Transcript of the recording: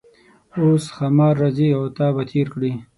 اوس ښامار راځي او تا به تیر کړي.